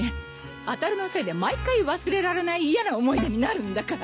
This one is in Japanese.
あたるのせいで毎回忘れられない嫌な思い出になるんだから。